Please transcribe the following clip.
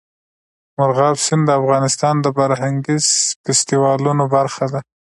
مورغاب سیند د افغانستان د فرهنګي فستیوالونو برخه ده.